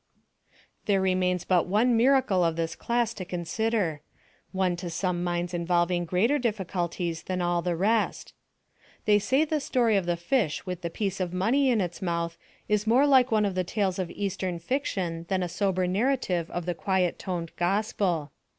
There remains but one miracle of this class to consider one to some minds involving greater difficulties than all the rest. They say the story of the fish with a piece of money in its mouth is more like one of the tales of eastern fiction than a sober narrative of the quiet toned gospel.